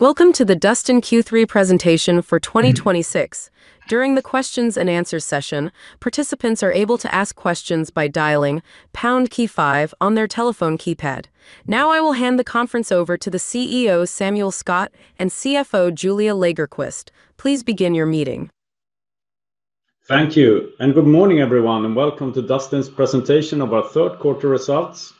Welcome to the Dustin Q3 presentation for 2026. During the questions and answers session, participants are able to ask questions by dialing pound key five on their telephone keypad. I will hand the conference over to the CEO, Samuel Skott, and CFO, Julia Lagerqvist. Please begin your meeting. Thank you. Good morning, everyone, and welcome to Dustin's presentation of our third quarter results.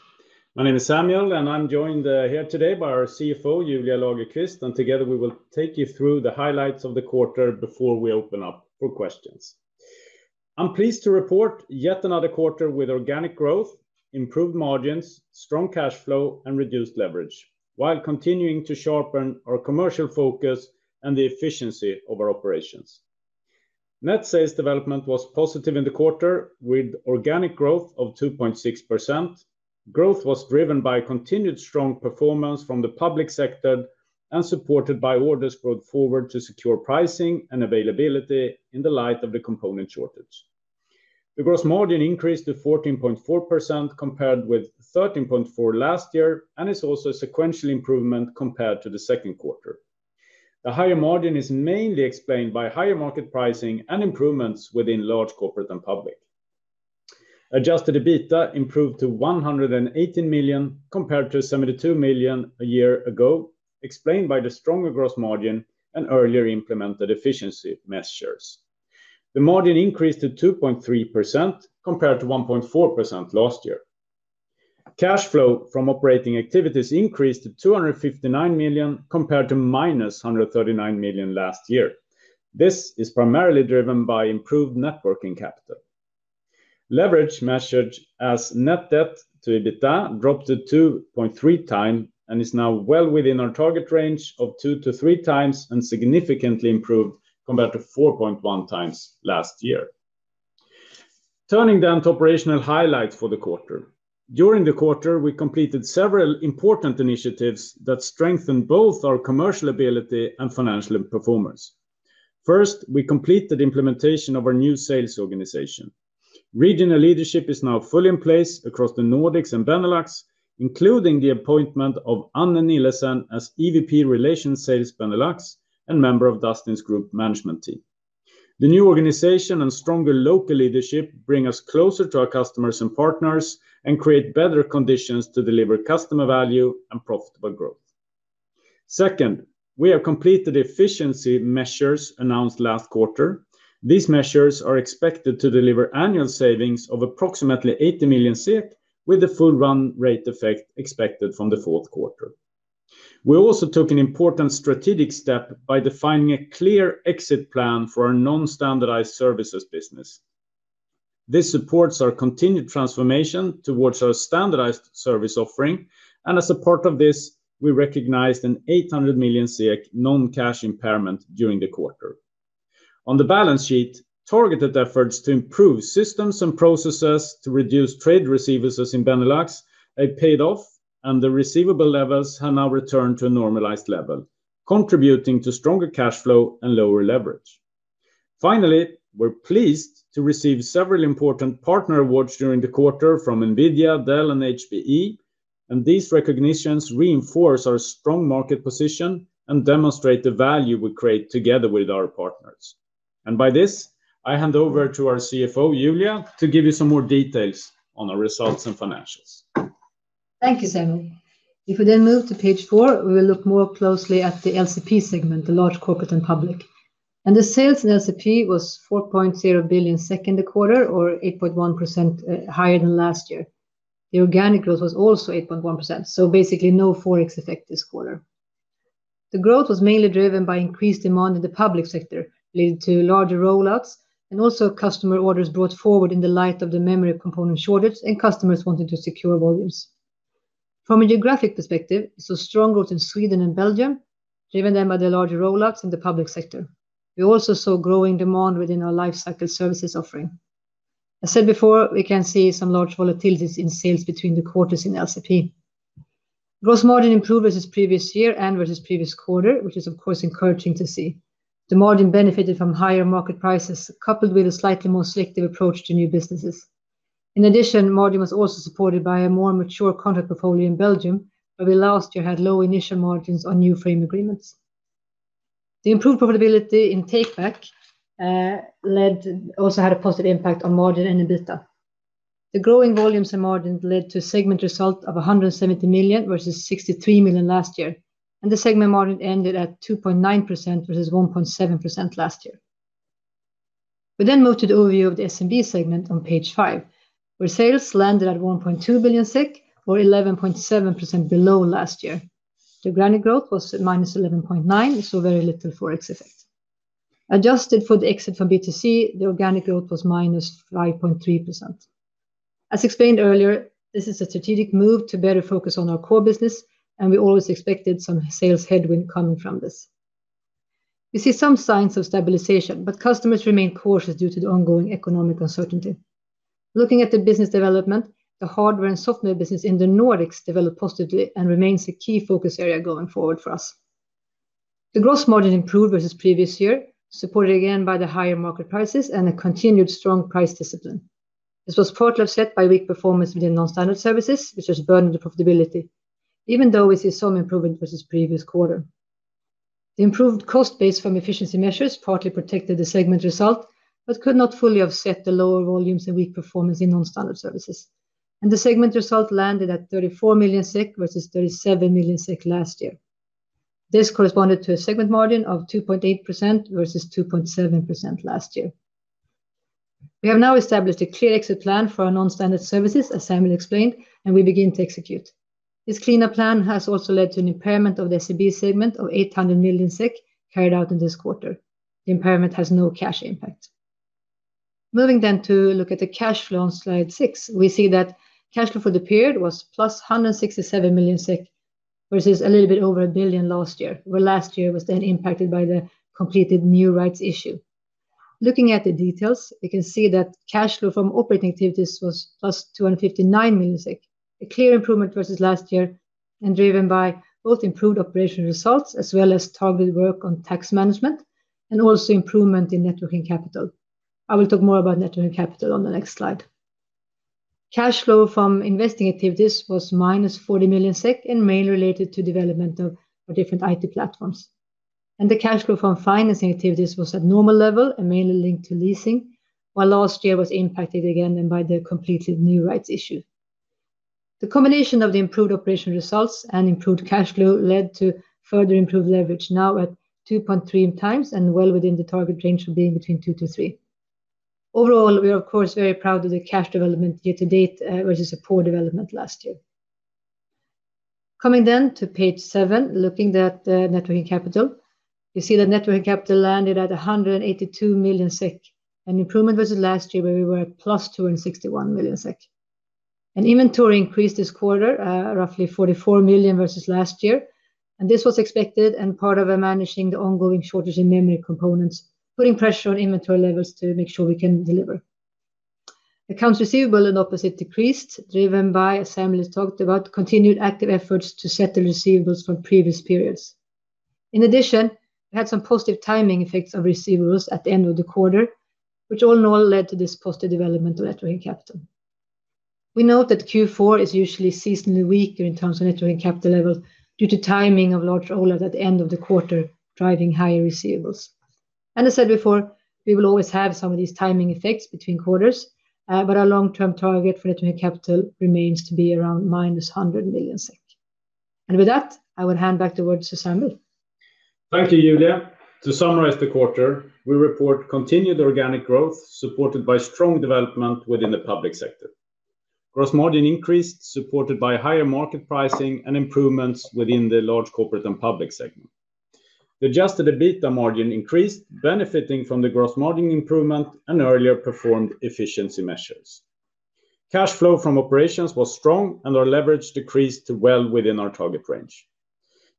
My name is Samuel, I'm joined here today by our CFO, Julia Lagerqvist, together we will take you through the highlights of the quarter before we open up for questions. I'm pleased to report yet another quarter with organic growth, improved margins, strong cash flow, and reduced leverage while continuing to sharpen our commercial focus and the efficiency of our operations. Net sales development was positive in the quarter with organic growth of 2.6%. Growth was driven by continued strong performance from the public sector and supported by orders brought forward to secure pricing and availability in the light of the component shortage. The gross margin increased to 14.4% compared with 13.4% last year, is also a sequential improvement compared to the second quarter. The higher margin is mainly explained by higher market pricing and improvements within large corporate and public. Adjusted EBITDA improved to 118 million compared to 72 million a year ago, explained by the stronger gross margin and earlier implemented efficiency measures. The margin increased to 2.3% compared to 1.4% last year. Cash flow from operating activities increased to 259 million compared to -139 million last year. This is primarily driven by improved networking capital. Leverage measured as net debt to EBITDA dropped to 2.3x and is now well within our target range of 2x to 3x, significantly improved compared to 4.1x last year. Turning to operational highlights for the quarter. During the quarter, we completed several important initiatives that strengthened both our commercial ability and financial performance. First, we completed implementation of our new sales organization. Regional leadership is now fully in place across the Nordics and Benelux, including the appointment of Anne Nillesen as EVP Relation Sales Benelux and member of Dustin's group management team. The new organization and stronger local leadership bring us closer to our customers and partners and create better conditions to deliver customer value and profitable growth. Second, we have completed efficiency measures announced last quarter. These measures are expected to deliver annual savings of approximately 80 million SEK, with the full run rate effect expected from the fourth quarter. We also took an important strategic step by defining a clear exit plan for our non-standardized services business. This supports our continued transformation towards our standardized service offering, as a part of this, we recognized an 800 million non-cash impairment during the quarter. On the balance sheet, targeted efforts to improve systems and processes to reduce trade receivables in Benelux have paid off, and the receivable levels have now returned to a normalized level, contributing to stronger cash flow and lower leverage. These recognitions reinforce our strong market position and demonstrate the value we create together with our partners. By this, I hand over to our CFO, Julia, to give you some more details on our results and financials. Thank you, Samuel. If we then move to page four, we will look more closely at the LCP segment, the large corporate and public. The sales in LCP was 4.0 billion second quarter, or 8.1% higher than last year. The organic growth was also 8.1%, so basically no Forex effect this quarter. The growth was mainly driven by increased demand in the public sector, leading to larger rollouts and also customer orders brought forward in the light of the memory component shortage and customers wanting to secure volumes. From a geographic perspective, we saw strong growth in Sweden and Belgium, driven then by the larger rollouts in the public sector. We also saw growing demand within our lifecycle services offering. I said before, we can see some large volatilities in sales between the quarters in LCP. Gross margin improved versus previous year and versus previous quarter, which is of course encouraging to see. The margin benefited from higher market prices coupled with a slightly more selective approach to new businesses. In addition, margin was also supported by a more mature contract portfolio in Belgium, where we last year had low initial margins on new frame agreements. The improved profitability in Take Back also had a positive impact on margin and EBITDA. The growing volumes and margin led to segment result of 170 million, versus 63 million last year. The segment margin ended at 2.9%, versus 1.7% last year. We then move to the overview of the SMB segment on page five, where sales landed at 1.2 billion, or 11.7% below last year. The organic growth was at -11.9%, so very little Forex effect. Adjusted for the exit from B2C, the organic growth was -5.3%. As explained earlier, this is a strategic move to better focus on our core business, and we always expected some sales headwind coming from this. We see some signs of stabilization, but customers remain cautious due to the ongoing economic uncertainty. Looking at the business development, the hardware and software business in the Nordics developed positively and remains a key focus area going forward for us. The gross margin improved versus previous year, supported again by the higher market prices and a continued strong price discipline. This was partly offset by weak performance within non-standard services, which was burden to profitability, even though we see some improvement versus the previous quarter. The improved cost base from efficiency measures partly protected the segment result, but could not fully offset the lower volumes and weak performance in non-standard services. The segment result landed at 34 million versus 37 million last year. This corresponded to a segment margin of 2.8% versus 2.7% last year. We have now established a clear exit plan for our non-standard services, as Samuel explained, and we begin to execute. This cleanup plan has also led to an impairment of the SMB segment of 800 million SEK carried out in this quarter. The impairment has no cash impact. Moving to look at the cash flow on slide six, we see that cash flow for the period was plus 167 million, versus a little bit over a billion last year. Last year was impacted by the completed new rights issue. Looking at the details, you can see that cash flow from operating activities was +259 million, a clear improvement versus last year, driven by both improved operational results as well as targeted work on tax management also improvement in net working capital. I will talk more about net working capital on the next slide. Cash flow from investing activities was -40 million SEK and mainly related to development of our different IT platforms. The cash flow from financing activities was at normal level and mainly linked to leasing, while last year was impacted again by the completed new rights issue. The combination of the improved operational results and improved cash flow led to further improved leverage, now at 2.3x and well within the target range of being between two to three. Overall, we are of course very proud of the cash development year to date, versus poor development last year. Coming to page seven, looking at the net working capital. You see that net working capital landed at 182 million SEK, an improvement versus last year where we were at plus 261 million SEK. Inventory increased this quarter, roughly 44 million versus last year, and this was expected and part of our managing the ongoing shortage in memory components, putting pressure on inventory levels to make sure we can deliver. Accounts receivable and opposite decreased, driven by, as Samuel has talked about, continued active efforts to set the receivables from previous periods. In addition, we had some positive timing effects of receivables at the end of the quarter, which all in all led to this positive development of net working capital. We note that Q4 is usually seasonally weaker in terms of net working capital levels due to timing of large orders at the end of the quarter, driving higher receivables. As said before, we will always have some of these timing effects between quarters. Our long-term target for net working capital remains to be around -100 million SEK. With that, I will hand back the words to Samuel. Thank you, Julia. To summarize the quarter, we report continued organic growth supported by strong development within the public sector. Gross margin increased, supported by higher market pricing and improvements within the large corporate and public segment. The adjusted EBITDA margin increased, benefiting from the gross margin improvement and earlier performed efficiency measures. Cash flow from operations was strong, and our leverage decreased to well within our target range.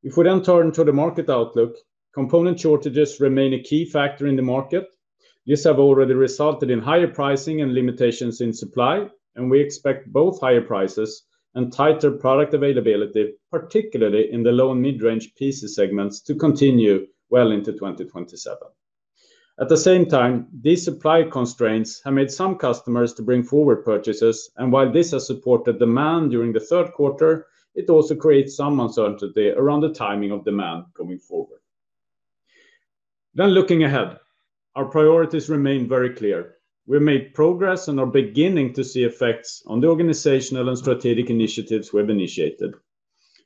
If we turn to the market outlook, component shortages remain a key factor in the market. These have already resulted in higher pricing and limitations in supply, and we expect both higher prices and tighter product availability, particularly in the low and mid-range PC segments to continue well into 2027. At the same time, these supply constraints have made some customers to bring forward purchases, and while this has supported demand during the third quarter, it also creates some uncertainty around the timing of demand going forward. Looking ahead, our priorities remain very clear. We've made progress and are beginning to see effects on the organizational and strategic initiatives we have initiated.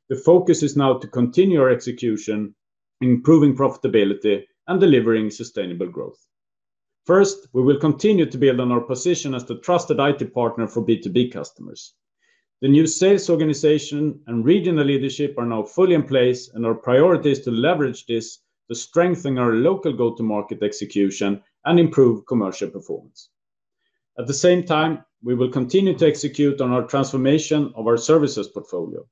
The focus is now to continue our execution, improving profitability and delivering sustainable growth. First, we will continue to build on our position as the trusted IT partner for B2B customers. The new sales organization and regional leadership are now fully in place, and our priority is to leverage this to strengthen our local go-to-market execution and improve commercial performance. At the same time, we will continue to execute on our transformation of our services portfolio.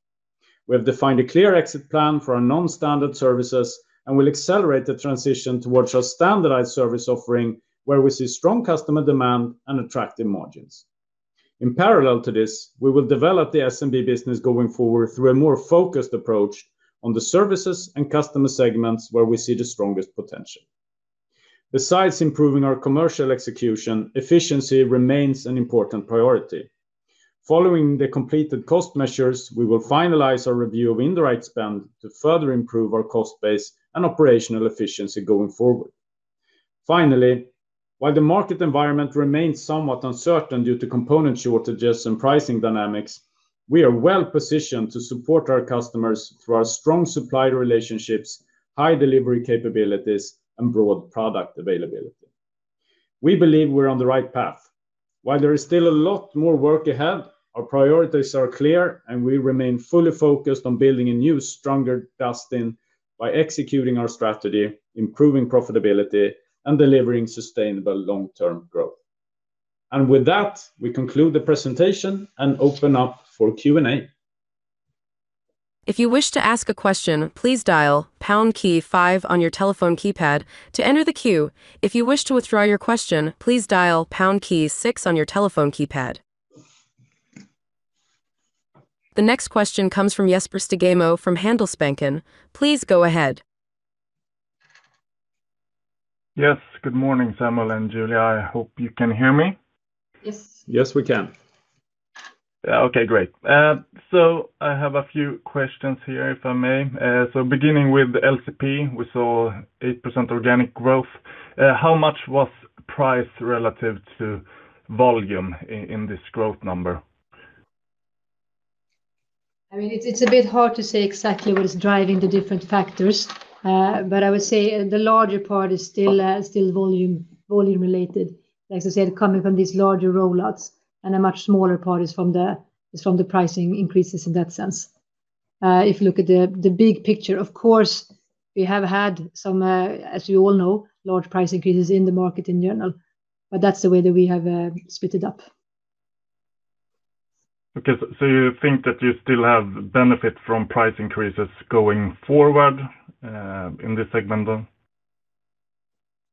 We have defined a clear exit plan for our non-standard services and will accelerate the transition towards our standardized service offering, where we see strong customer demand and attractive margins. In parallel to this, we will develop the SMB business going forward through a more focused approach on the services and customer segments where we see the strongest potential. Besides improving our commercial execution, efficiency remains an important priority. Following the completed cost measures, we will finalize our review of indirect spend to further improve our cost base and operational efficiency going forward. Finally, while the market environment remains somewhat uncertain due to component shortages and pricing dynamics, we are well positioned to support our customers through our strong supplier relationships, high delivery capabilities and broad product availability. We believe we're on the right path. While there is still a lot more work ahead, our priorities are clear, and we remain fully focused on building a new, stronger Dustin by executing our strategy, improving profitability, and delivering sustainable long-term growth. With that, we conclude the presentation and open up for Q&A. If you wish to ask a question, please dial pound key five on your telephone keypad to enter the queue. If you wish to withdraw your question, please dial pound key six on your telephone keypad. The next question comes from Jesper Stugemo from Handelsbanken. Please go ahead. Yes. Good morning, Samuel and Julia. I hope you can hear me. Yes. Yes, we can. Okay, great. I have a few questions here, if I may. Beginning with LCP, we saw 8% organic growth. How much was price relative to volume in this growth number? It's a bit hard to say exactly what is driving the different factors. I would say the larger part is still volume related. Like I said, coming from these larger rollouts and a much smaller part is from the pricing increases in that sense. If you look at the big picture, of course, we have had some, as you all know, large price increases in the market in general, that's the way that we have split it up. Okay. You think that you still have benefit from price increases going forward in this segment, then?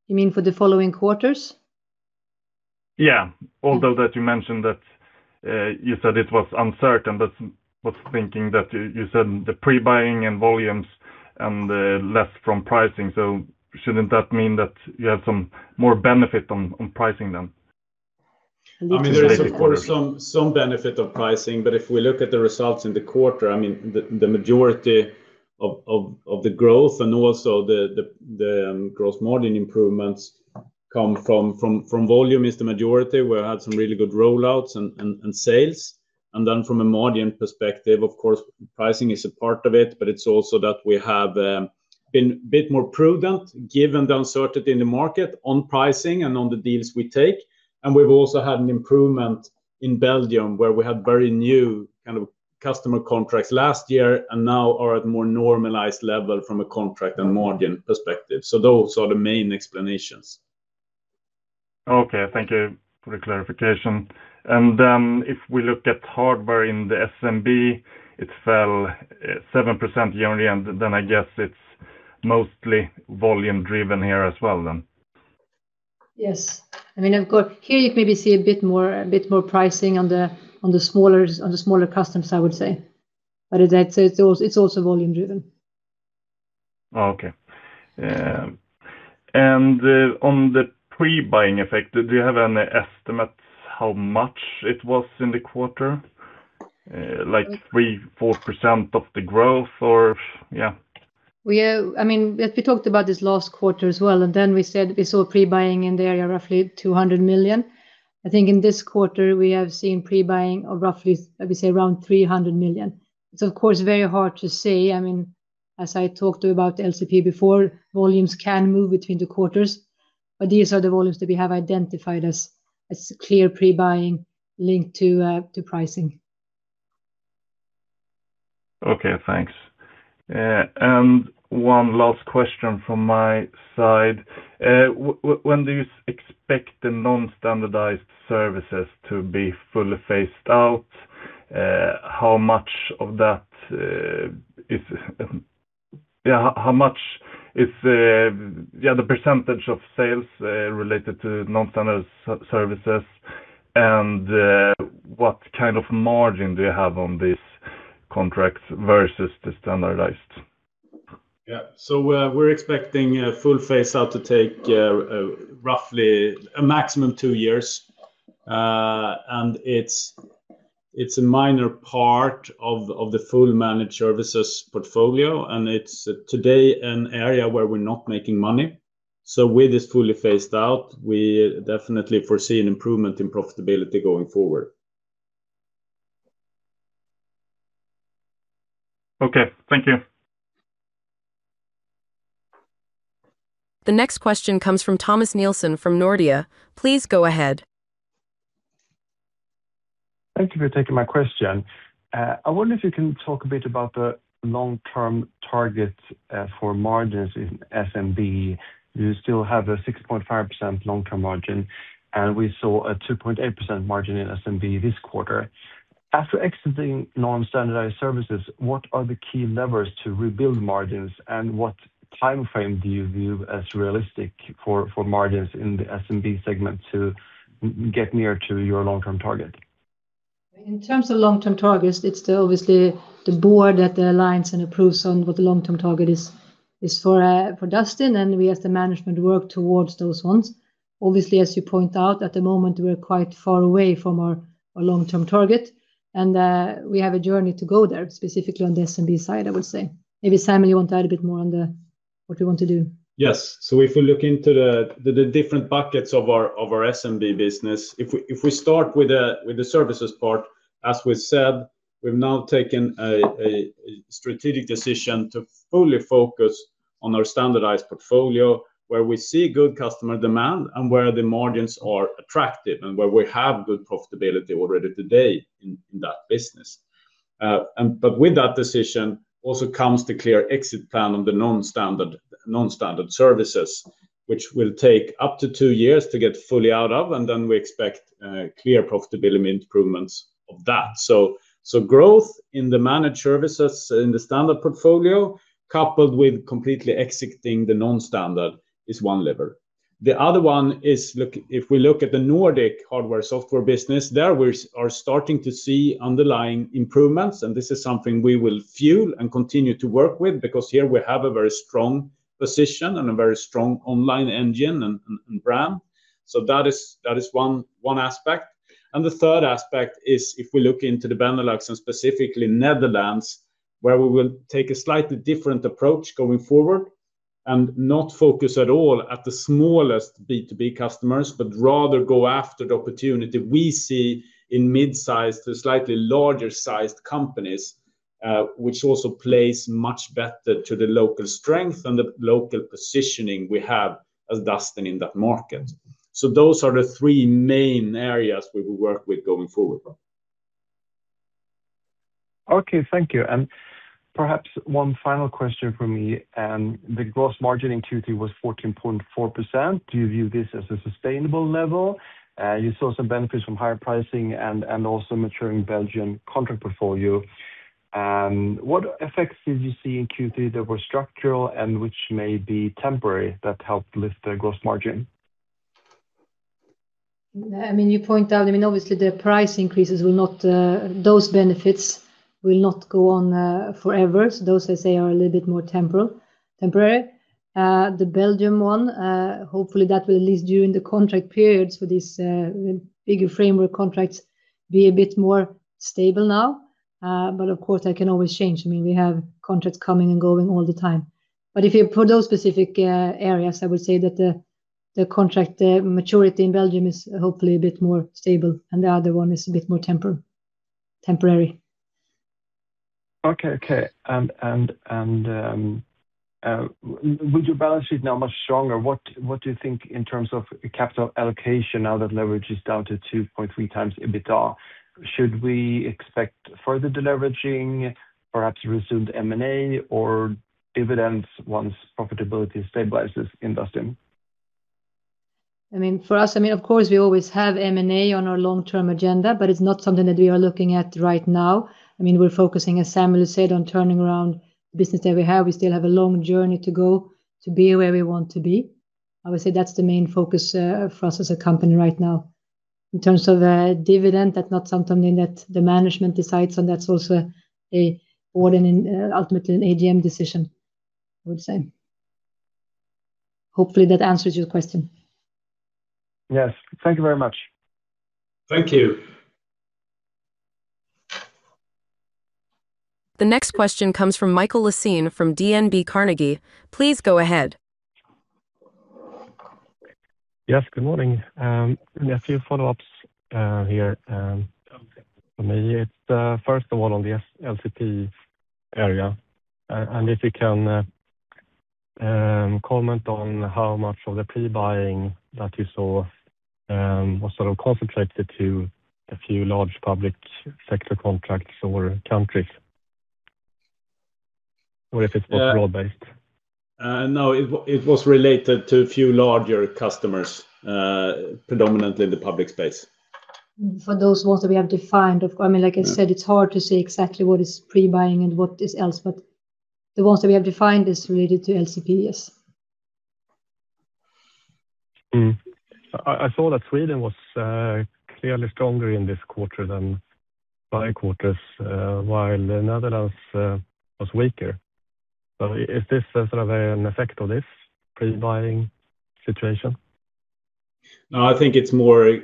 You mean for the following quarters? Yeah. Although that you mentioned that you said it was uncertain, that's what thinking that you said the pre-buying and volumes and less from pricing. Shouldn't that mean that you have some more benefit on pricing them? There is, of course, some benefit of pricing. If we look at the results in the quarter, the majority of the growth and also the gross margin improvements come from volume is the majority, where we had some really good rollouts and sales. From a margin perspective, of course, pricing is a part of it, but it is also that we have been a bit more prudent given the uncertainty in the market on pricing and on the deals we take. We've also had an improvement in Belgium, where we had very new kind of customer contracts last year and now are at more normalized level from a contract and margin perspective. Those are the main explanations. Okay. Thank you for the clarification. If we look at hardware in the SMB, it fell 7% yearly, and then I guess it is mostly volume driven here as well then. Yes. Of course, here you maybe see a bit more pricing on the smaller customers, I would say. It is also volume driven. Okay. On the pre-buying effect, do you have any estimates how much it was in the quarter? Like 3%, 4% of the growth or yeah. We talked about this last quarter as well, and then we said we saw pre-buying in the area roughly 200 million. I think in this quarter we have seen pre-buying of roughly, I would say, around 300 million. It's of course very hard to say, as I talked about LCP before, volumes can move between the quarters, but these are the volumes that we have identified as clear pre-buying linked to pricing. Okay, thanks. One last question from my side. When do you expect the non-standardized services to be fully phased out? How much is the percentage of sales related to non-standard services, and what kind of margin do you have on these contracts versus the standardized? Yeah. We're expecting a full phase out to take roughly a maximum two years. It's a minor part of the full managed services portfolio, and it's today an area where we're not making money. With this fully phased out, we definitely foresee an improvement in profitability going forward. Okay. Thank you. The next question comes from Thomas Nilsson from Nordea. Please go ahead. Thank you for taking my question. I wonder if you can talk a bit about the long-term targets for margins in SMB. You still have a 6.5% long-term margin, and we saw a 2.8% margin in SMB this quarter. After exiting non-standardized services, what are the key levers to rebuild margins, and what time frame do you view as realistic for margins in the SMB segment to get near to your long-term target? In terms of long-term targets, it's obviously the board that aligns and approves on what the long-term target is for Dustin, and we as the management work towards those ones. Obviously, as you point out, at the moment, we're quite far away from our long-term target, and we have a journey to go there, specifically on the SMB side, I would say. Maybe, Samuel, you want to add a bit more on what we want to do. Yes. If we look into the different buckets of our SMB business, if we start with the services part, as we said, we've now taken a strategic decision to fully focus on our standardized portfolio where we see good customer demand and where the margins are attractive and where we have good profitability already today in that business. With that decision also comes the clear exit plan on the non-standard services, which will take up to two years to get fully out of, and then we expect clear profitability improvements of that. Growth in the managed services in the standard portfolio, coupled with completely exiting the non-standard is one lever. The other one is if we look at the Nordic hardware, software business, there we are starting to see underlying improvements. This is something we will fuel and continue to work with, because here we have a very strong position and a very strong online engine and brand. That is one aspect. The third aspect is if we look into the Benelux and specifically Netherlands, where we will take a slightly different approach going forward and not focus at all at the smallest B2B customers, but rather go after the opportunity we see in mid-size to slightly larger sized companies, which also plays much better to the local strength and the local positioning we have as Dustin in that market. Those are the three main areas we will work with going forward. Okay. Thank you. Perhaps one final question from me. The gross margin in Q3 was 14.4%. Do you view this as a sustainable level? You saw some benefits from higher pricing and also maturing Belgian contract portfolio. What effects did you see in Q3 that were structural and which may be temporary, that helped lift the gross margin? You point out, obviously the price increases, those benefits will not go on forever. Those I say are a little bit more temporary. The Belgium one, hopefully that will, at least during the contract periods for these bigger framework contracts, be a bit more stable now. Of course, that can always change. We have contracts coming and going all the time. For those specific areas, I would say that the contract, the maturity in Belgium is hopefully a bit more stable and the other one is a bit more temporary. Okay. With your balance sheet now much stronger, what do you think in terms of capital allocation now that leverage is down to 2.3x EBITDA? Should we expect further deleveraging, perhaps resumed M&A or dividends once profitability stabilizes in Dustin? For us, of course, we always have M&A on our long-term agenda, but it's not something that we are looking at right now. We're focusing, as Samuel has said, on turning around the business that we have. We still have a long journey to go to be where we want to be. I would say that's the main focus for us as a company right now. In terms of a dividend, that's not something that the management decides, and that's also ultimately an AGM decision, I would say. Hopefully, that answers your question. Yes. Thank you very much. Thank you. The next question comes from Mikael Laséen from DNB Carnegie. Please go ahead. Yes, good morning. A few follow-ups here. First of all, on the LCP area, and if you can comment on how much of the pre-buying that you saw was sort of concentrated to a few large public sector contracts or countries, or if it was broad-based. No, it was related to a few larger customers, predominantly in the public space. For those ones that we have defined. Like I said, it's hard to say exactly what is pre-buying and what is else, but the ones that we have defined is related to LCP, yes. I saw that Sweden was clearly stronger in this quarter than by quarters, while the Netherlands was weaker. Is this a sort of an effect of this pre-buying situation? I think it's more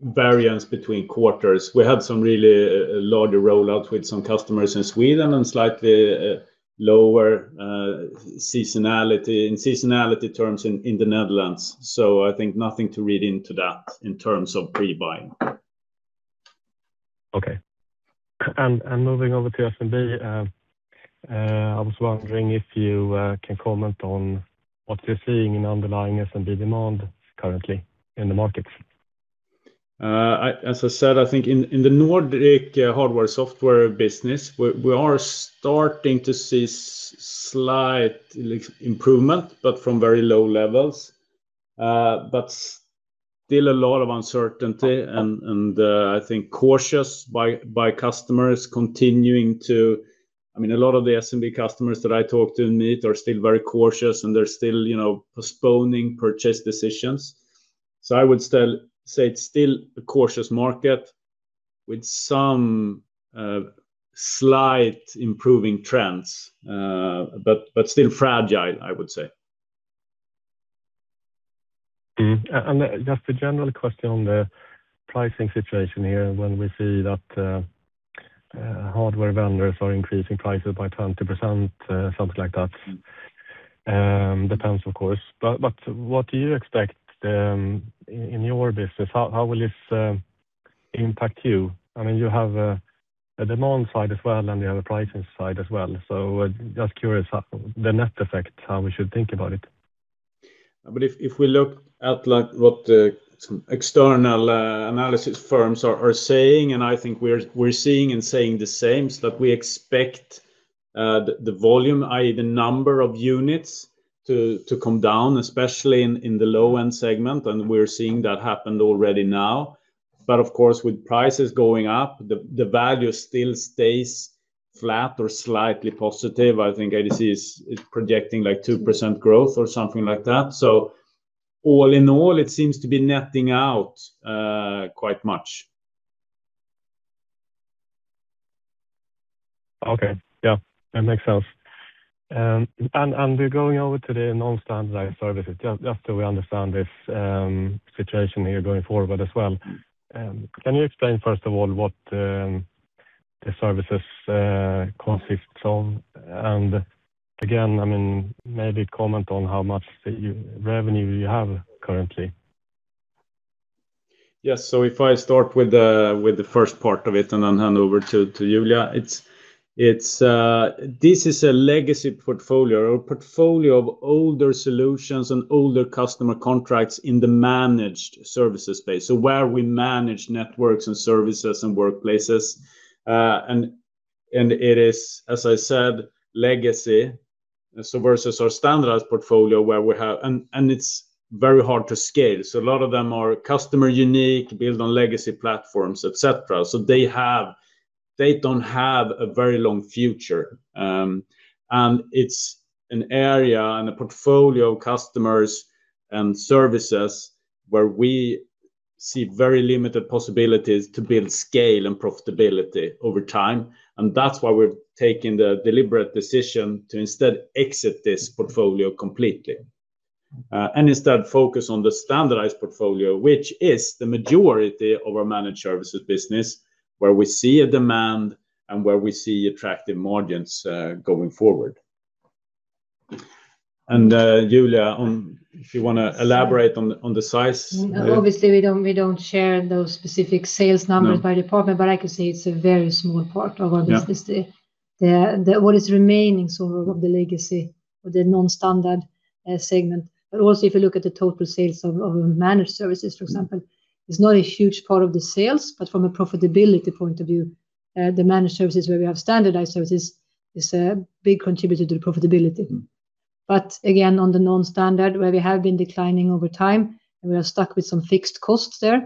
variance between quarters. We had some really larger rollouts with some customers in Sweden and slightly lower seasonality in seasonality terms in the Netherlands. I think nothing to read into that in terms of pre-buying. Okay. Moving over to SMB. I was wondering if you can comment on what you're seeing in underlying SMB demand currently in the markets. As I said, I think in the Nordic hardware, software business, we are starting to see slight improvement, from very low levels. Still a lot of uncertainty and I think A lot of the SMB customers that I talk to and meet are still very cautious and they're still postponing purchase decisions. I would say it's still a cautious market with some slight improving trends, but still fragile, I would say. Just a general question on the pricing situation here. When we see that hardware vendors are increasing prices by 20%, something like that. Depends, of course, but what do you expect in your business? How will this impact you? You have a demand side as well, and you have a pricing side as well. Just curious the net effect, how we should think about it. If we look at what some external analysis firms are saying, I think we're seeing and saying the same, that we expect the volume, i.e., the number of units to come down, especially in the low-end segment. We're seeing that happen already now. Of course, with prices going up, the value still stays flat or slightly positive. I think IDC is projecting 2% growth or something like that. All in all, it seems to be netting out quite much. Okay. Yeah, that makes sense. We're going over to the non-standardized services, just so we understand this situation here going forward as well. Can you explain, first of all, what the services consists of? Again, maybe comment on how much revenue you have currently. Yes. If I start with the first part of it and then hand over to Julia. This is a legacy portfolio. A portfolio of older solutions and older customer contracts in the managed services space. Where we manage networks and services and workplaces. It is, as I said, legacy. Versus our standardized portfolio, it's very hard to scale. A lot of them are customer unique, built on legacy platforms, et cetera. They don't have a very long future. It's an area and a portfolio of customers and services where we see very limited possibilities to build scale and profitability over time. That's why we're taking the deliberate decision to instead exit this portfolio completely. Instead focus on the standardized portfolio, which is the majority of our managed services business, where we see a demand and where we see attractive margins going forward. Julia, if you want to elaborate on the size. We don't share those specific sales numbers by department, but I could say it's a very small part of our business. Yeah. What is remaining of the legacy or the non-standard segment. Also, if you look at the total sales of our managed services, for example, it's not a huge part of the sales, but from a profitability point of view, the managed services where we have standardized services is a big contributor to the profitability. Again, on the non-standard, where we have been declining over time and we are stuck with some fixed costs there,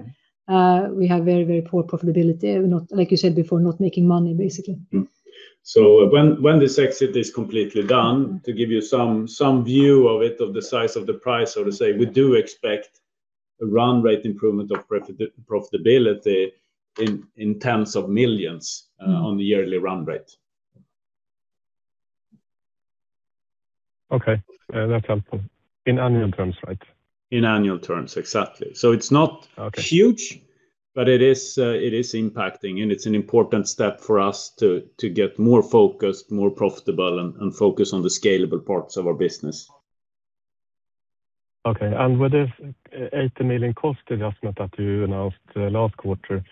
we have very poor profitability. Like you said before, not making money, basically. When this exit is completely done, to give you some view of it, of the size of the price, so to say, we do expect a run rate improvement of profitability in tens of millions on the yearly run rate. Okay. That's helpful. In annual terms, right? In annual terms, exactly. It's not huge. Okay It is impacting, and it's an important step for us to get more focused, more profitable, and focus on the scalable parts of our business. Okay. With this 80 million cost adjustment that you announced last quarter,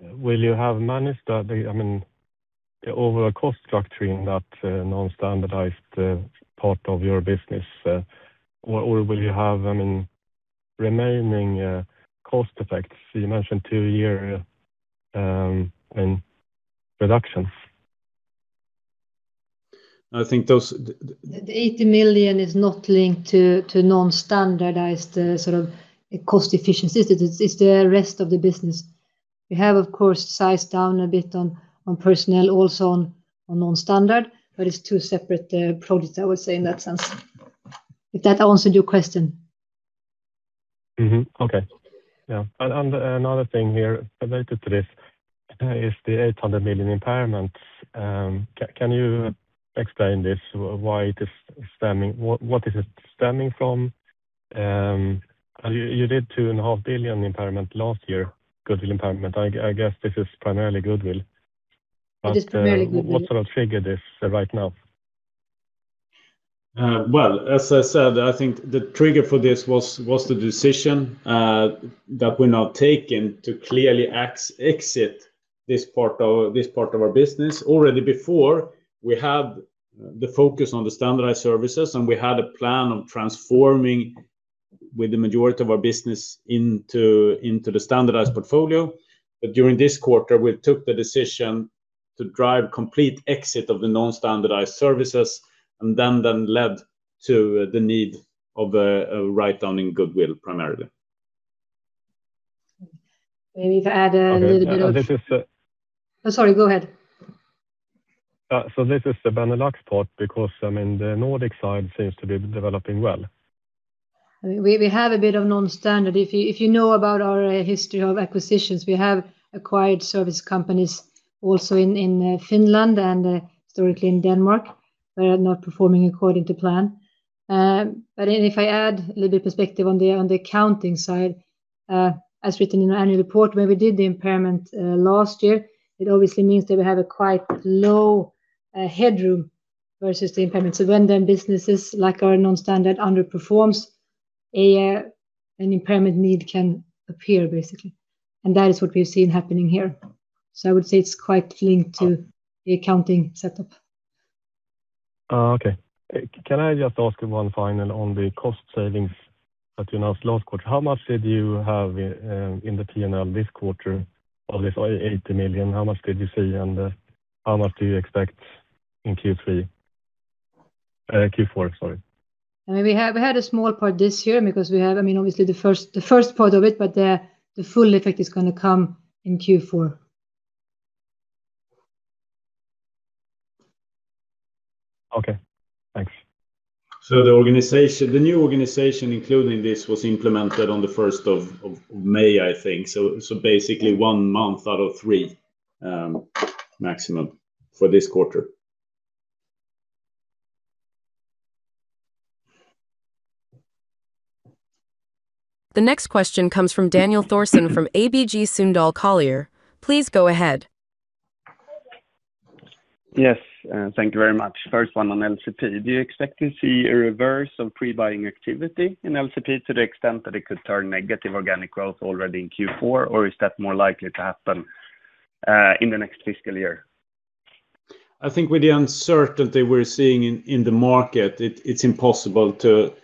will you have managed over a cost structure in that non-standardized part of your business? Or will you have remaining cost effects? You mentioned two year in reduction. I think those The 80 million is not linked to non-standardized cost efficiency. It's the rest of the business. We have, of course, sized down a bit on personnel also on non-standard, but it's two separate projects, I would say, in that sense. If that answered your question. Mm-hmm. Okay. Yeah. Another thing here related to this is the 800 million impairments. Can you explain this? What is it stemming from? You did 2.5 billion impairment last year. Goodwill impairment. I guess this is primarily goodwill. It is primarily goodwill. What sort of triggered this right now? Well, as I said, I think the trigger for this was the decision that we're now taking to clearly exit this part of our business. Already before, we had the focus on the standardized services, we had a plan of transforming with the majority of our business into the standardized portfolio. During this quarter, we took the decision to drive complete exit of the non-standardized services then led to the need of a write-down in goodwill, primarily. Maybe to add a little bit of- And this is- Sorry, go ahead. This is the Benelux part because the Nordic side seems to be developing well. We have a bit of non-standard. If you know about our history of acquisitions, we have acquired service companies also in Finland and historically in Denmark. We are not performing according to plan. If I add a little bit perspective on the accounting side, as written in our annual report, when we did the impairment last year, it obviously means that we have a quite low headroom versus the impairment. When then businesses like our non-standard underperforms, an impairment need can appear, basically. That is what we've seen happening here. I would say it's quite linked to the accounting setup. Can I just ask you one final on the cost savings that you announced last quarter? How much did you have in the P&L this quarter of this 80 million? How much did you see and how much do you expect in Q3? Q4, sorry. We had a small part this year because we have, obviously the first part of it, but the full effect is going to come in Q4. Okay, thanks. The new organization, including this, was implemented on the 1st of May, I think. Basically one month out of three maximum for this quarter. The next question comes from Daniel Thorsson from ABG Sundal Collier. Please go ahead. Yes, thank you very much. First one on LCP. Do you expect to see a reverse of pre-buying activity in LCP to the extent that it could turn negative organic growth already in Q4? Or is that more likely to happen in the next fiscal year? I think with the uncertainty we're seeing in the market, it's impossible to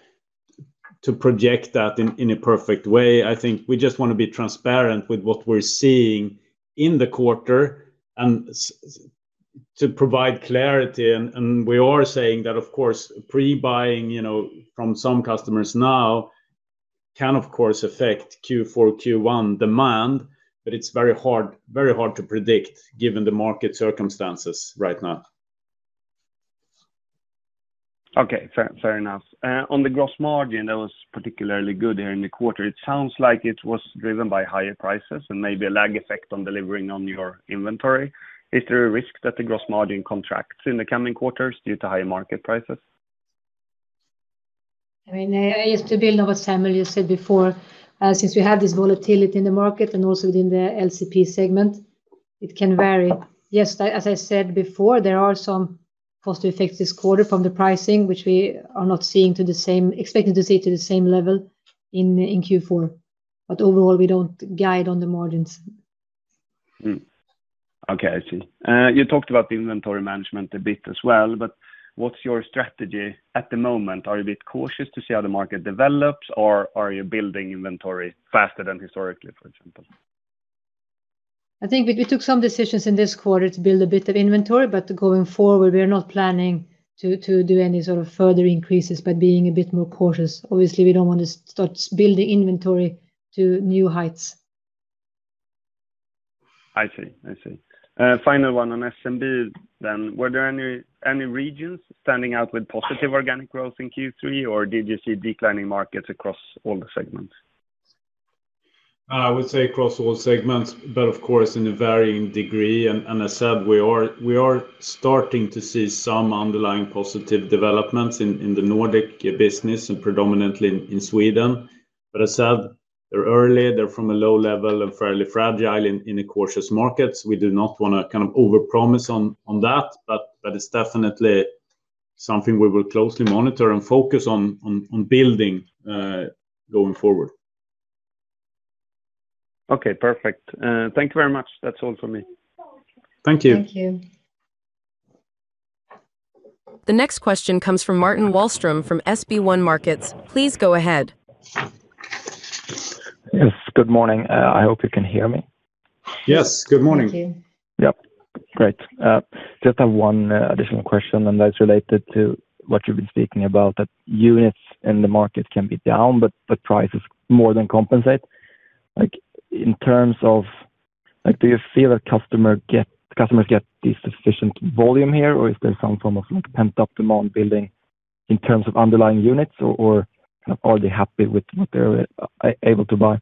project that in a perfect way. I think we just want to be transparent with what we're seeing in the quarter and to provide clarity. We are saying that, of course, pre-buying from some customers now can, of course, affect Q4, Q1 demand, but it's very hard to predict given the market circumstances right now. Okay, fair enough. On the gross margin, that was particularly good here in the quarter. It sounds like it was driven by higher prices and maybe a lag effect on delivering on your inventory. Is there a risk that the gross margin contracts in the coming quarters due to higher market prices? Just to build on what Samuel just said before, since we have this volatility in the market and also within the LCP segment, it can vary. Yes, as I said before, there are some cost effects this quarter from the pricing, which we are not expecting to see to the same level in Q4. Overall, we don't guide on the margins. Okay, I see. You talked about inventory management a bit as well, but what's your strategy at the moment? Are you a bit cautious to see how the market develops, or are you building inventory faster than historically, for example? I think we took some decisions in this quarter to build a bit of inventory. Going forward, we are not planning to do any sort of further increases but being a bit more cautious. Obviously, we don't want to start building inventory to new heights. I see. Final one on SMB. Were there any regions standing out with positive organic growth in Q3, or did you see declining markets across all the segments? I would say across all segments, of course, in a varying degree. As said, we are starting to see some underlying positive developments in the Nordic business and predominantly in Sweden. As said, they're early, they're from a low level and fairly fragile in the cautious markets. We do not want to overpromise on that, but it's definitely something we will closely monitor and focus on building going forward. Okay, perfect. Thank you very much. That's all from me. Thank you. Thank you. The next question comes from Martin Wahlström from SB1 Markets. Please go ahead. Yes, good morning. I hope you can hear me. Yes, good morning. Thank you. Yep. Great. Just have one additional question, and that's related to what you've been speaking about, that units in the market can be down, but the prices more than compensate. In terms of, do you feel the customers get the sufficient volume here, or is there some form of pent-up demand building in terms of underlying units, or are they happy with what they're able to buy?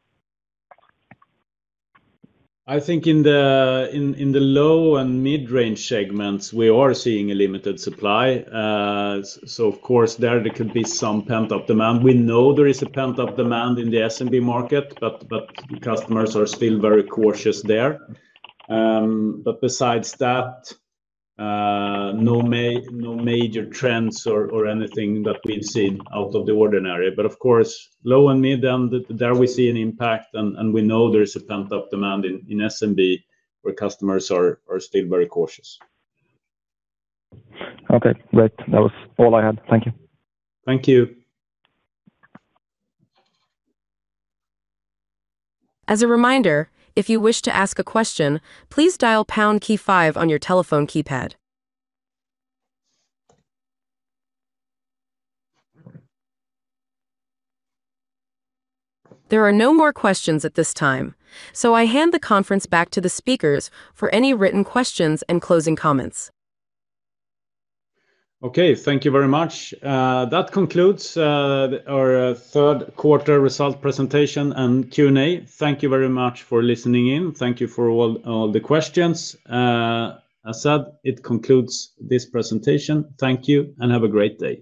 I think in the low and mid-range segments, we are seeing a limited supply. Of course there could be some pent-up demand. We know there is a pent-up demand in the SMB market, but customers are still very cautious there. Besides that, no major trends or anything that we've seen out of the ordinary. Of course, low and mid down, there we see an impact, and we know there is a pent-up demand in SMB, where customers are still very cautious. Okay, great. That was all I had. Thank you. Thank you. As a reminder, if you wish to ask a question, please dial pound key five on your telephone keypad. There are no more questions at this time. I hand the conference back to the speakers for any written questions and closing comments. Okay. Thank you very much. That concludes our third quarter result presentation and Q&A. Thank you very much for listening in. Thank you for all the questions. As said, it concludes this presentation. Thank you and have a great day.